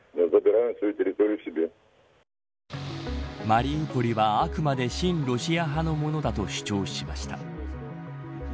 マリウポリはあくまで親ロシア派のものだと主張しました。